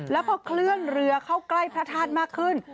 แล้วพอเคลื่อนเรือเข้าใกล้พระธาตุมากขึ้น